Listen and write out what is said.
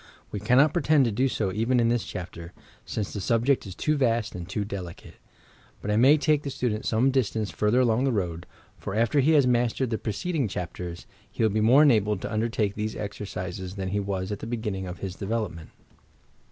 We cannot pretend to do so even in this chapter, — since the subject is too vast and too delicate. But I may take the student some distance further along the road, — for, after be has mastered the preceding chapters, he will be more enabled to undertake these exercises than he was at the beginning of his de velopment.